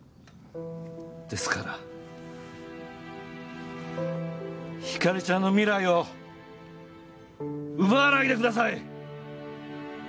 ですからひかりちゃんの未来を奪わないでください！